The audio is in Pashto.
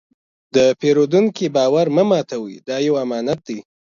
د پیرودونکي باور مه ماتوئ، دا یو امانت دی.